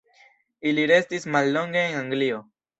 Ili restis mallonge en Anglio.